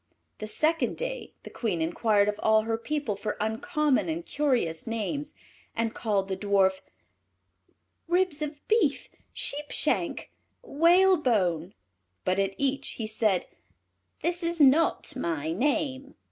The second day the Queen inquired of all her people for uncommon and curious names, and called the Dwarf "Ribs of Beef," "Sheep shank," "Whalebone," but at each he said, "This is not my name."